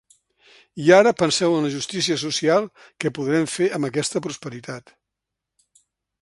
I ara penseu en la justícia social que podrem fer amb aquesta prosperitat.